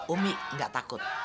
umi gak takut